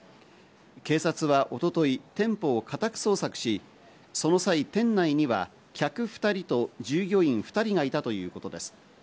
警察は一昨日、店舗を家宅捜索し、その際、店内には客２人と従業員２人がいたということです。